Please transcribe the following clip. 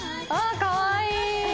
かわいい！